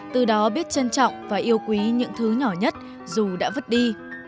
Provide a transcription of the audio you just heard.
từ đó biết trân trọng và yêu quý những thứ nhỏ nhất dù đã vứt đi